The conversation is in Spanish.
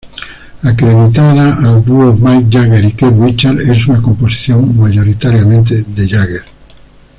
Acreditada al dúo Mick Jagger y Keith Richards, es una composición mayoritariamente de Jagger.